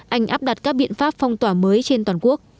anh áp đặt các biện pháp phong tỏa mới trên toàn quốc